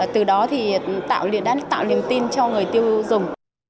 từ đó đã tạo liều tin cho người tiêu dùng